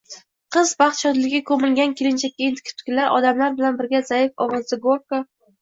Qiz baxt-shodlikka koʻmilgan kelinchakka entikib tikilar, odamlar bilan birga zaif ovozda Gorko